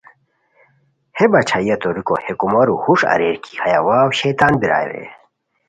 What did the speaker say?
ہے باچھائیا توریکو ہے کومورو ہوݰ اریر کی ہیہ واؤ شیطان بیرائے رے